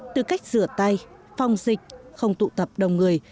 từ cách rửa tay phòng dịch không tụ tập đồng người